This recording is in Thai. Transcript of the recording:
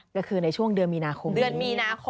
ก็คือในช่วงเดือนมีนาคมนี้